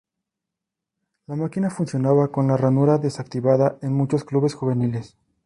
La máquina funcionaba con la ranura desactivada en muchos clubes juveniles.